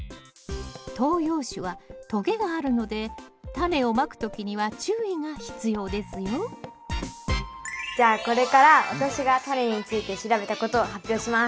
東洋種はとげがあるのでタネをまく時には注意が必要ですよじゃあこれから私がタネについて調べたことを発表します。